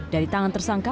dari tangan tersangka